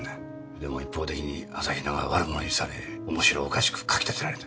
でも一方的に朝比奈が悪者にされおもしろおかしく書きたてられた。